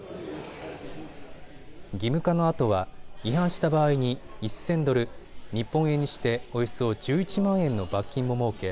義務化のあとは違反した場合に１０００ドル、日本円にしておよそ１１万円の罰金も設け